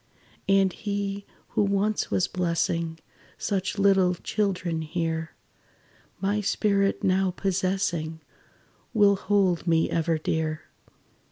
"And he, who once was blessing Such little children here, My spirit now possessing, Will hold me ever dear.